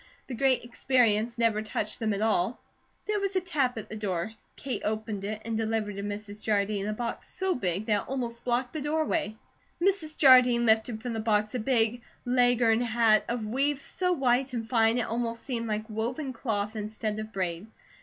The Great Experience never touched them at all." There was a tap at the door. Kate opened it and delivered to Mrs. Jardine a box so big that it almost blocked the doorway. Mrs. Jardine lifted from the box a big Leghorn hat of weave so white and fine it almost seemed like woven cloth instead of braid.